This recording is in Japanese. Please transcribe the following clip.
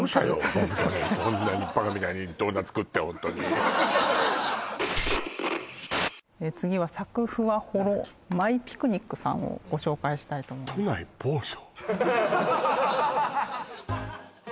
ホントにこんなにバカみたいにドーナツ食ってホントに次はサクふわほろマイピクニックさんをご紹介したいと思います都内某所？